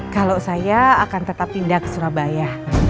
kalau saya akan tetap pindah ke surabaya